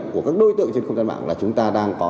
của các đối tượng trên công ty mạng là chúng ta đang có